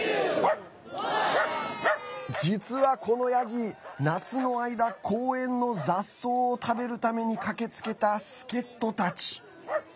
実は、このヤギ、夏の間公園の雑草を食べるために駆けつけた助っ人たち。